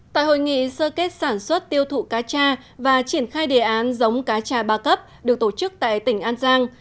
tại hội nghị sơ kết sản xuất tiêu thụ cá trà và triển khai đề án giống cá trà ba cấp được tổ chức tại tỉnh an giang